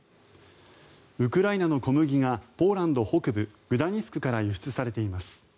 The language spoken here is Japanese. ウクライナの小麦がポーランド北部グダニスクから輸出されています。